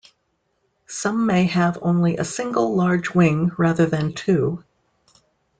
Some may have only a single large wing rather than two.